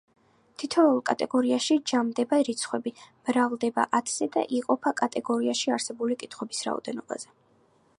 თითოეულ კატეგორიაში ჯამდება რიცხვები, მრავლდება ათზე და იყოფა კატეგორიაში არსებული კითხვების რაოდენობაზე.